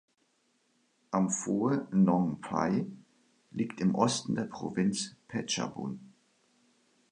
Amphoe Nong Phai liegt im Osten der Provinz Phetchabun.